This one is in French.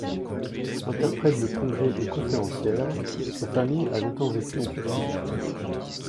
Interprète de congrès et conférencière, sa famille a longtemps vécu en Turquie.